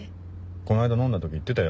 この間飲んだ時言ってたよ